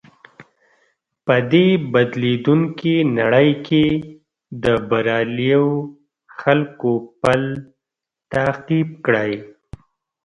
په دې بدليدونکې نړۍ کې د برياليو خلکو پل تعقيب کړئ.